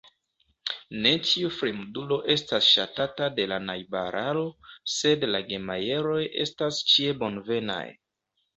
Ne ĉiu fremdulo estas ŝatata de la najbararo, sed la Gemajeroj estas ĉie bonvenaj.